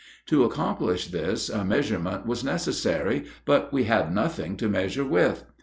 To accomplish this a measurement was necessary, but we had nothing to measure with.